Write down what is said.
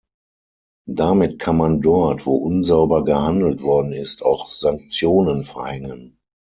Damit kann man dort, wo unsauber gehandelt worden ist, auch Sanktionen verhängen.